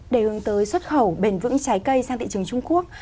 để hướng tới xuất khẩu bền vững trái cây sang thị trường trung quốc